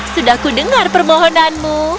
sudah ku dengar permohonanmu